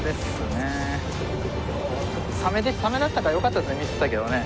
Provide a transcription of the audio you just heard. サメだったからよかった見てたけどね。